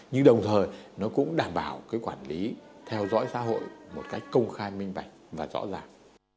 nhưng đồng thời nó cũng đảm bảo cái quản lý theo dõi xã hội một cách công khai minh bạch và rõ ràng